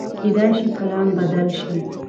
کېدای شي پلان بدل شي.